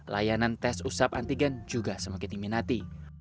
layanan tes usap antigen juga semakin diminati